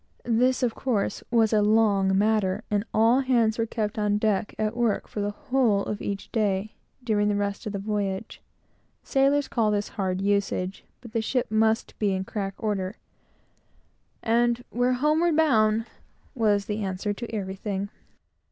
This, of course, was a long matter; and all hands were kept on deck at work for the whole of each day, during the rest of the voyage. Sailors call this hard usage; but the ship must be in crack order, and "we're homeward bound" was the answer to everything.